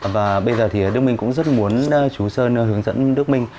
và bây giờ thì đức minh cũng rất muốn chú sơn hướng dẫn đức minh